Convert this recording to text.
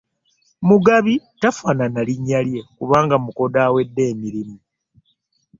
Mugabi tafaanana linnya lye kubanga mukodo awedde emirimu.